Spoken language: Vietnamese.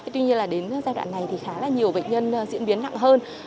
tuy nhiên là đến giai đoạn này thì khá là nhiều bệnh nhân diễn biến nặng hơn